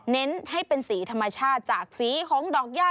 เน้นให้เป็นสีธรรมชาติจากสีของดอกย่า